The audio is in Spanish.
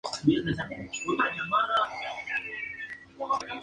Acabó su carrera jugando un año en la liga rumana.